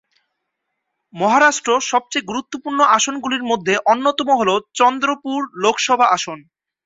মহারাষ্ট্র সবচেয়ে গুরুত্বপূর্ণ আসনগুলির মধ্যে অন্যতম হল চন্দ্রপুর লোকসভা আসন।